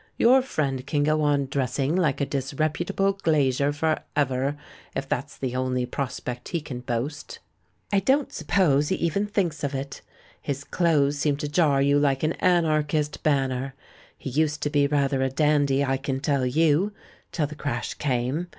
Your friend can go on dressing like a disreputable glazier THE BACK OF BOHEMIA 297 for ever, if that's the only prospect he can boast." "I don't suppose he even thinks of it. His clothes seem to j ar you like an Anarchist banner. He used to be rather a dandy, I can tell you, till the crash came.